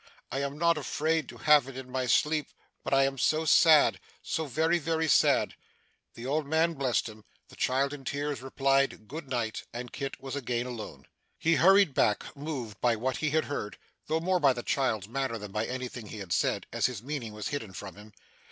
'I am not afraid to have it in my sleep, but I am so sad so very, very sad.' The old man blessed him, the child in tears replied Good night, and Kit was again alone. He hurried back, moved by what he had heard, though more by the child's manner than by anything he had said, as his meaning was hidden from him.